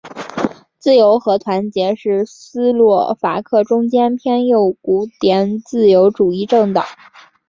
自由和团结是斯洛伐克中间偏右古典自由主义政党。